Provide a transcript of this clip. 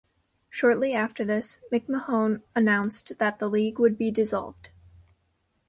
Shortly after this, McMahon announced that the league would be dissolved.